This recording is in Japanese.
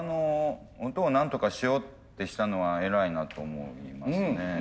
音をなんとかしようってしたのは偉いなと思いますね。